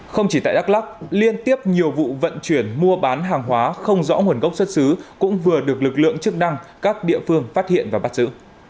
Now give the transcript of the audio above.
không chỉ tại đắk lắc liên tiếp nhiều vụ vận chuyển mua bán hàng hóa không rõ nguồn gốc xuất xứ cũng vừa được lực lượng chức năng các địa phương phát hiện và bắt giữ